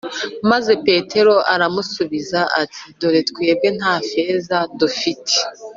Maze Petero aramubaza ati dore twebwe ntafeza dufite